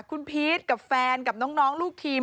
คุณพีชกับแฟนกับน้องลูกทีม